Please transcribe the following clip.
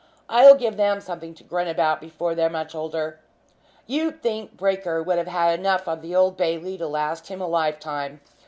"I'll give them something to grin about before they're much older. You'd think Breaker would have had enough of the Old Bailey to last him a lifetime.